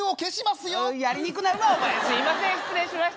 すいません失礼しました。